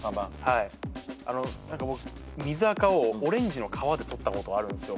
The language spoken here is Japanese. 僕水あかをオレンジの皮で取ったことがあるんですよ。